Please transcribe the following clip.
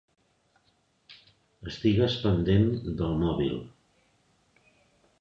Estigues pendent del mòbil.